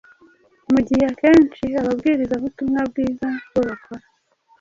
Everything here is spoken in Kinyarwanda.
mu gihe akenshi ababwirizabutumwa bwiza bo bakora